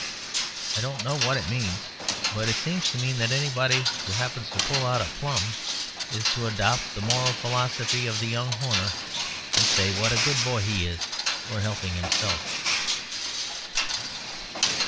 I don't know what it means, but it seems to mean that anybody who happens to pull out a plum is to adopt the moral philosophy of the young Horner and say what a good boy he is for helping himself.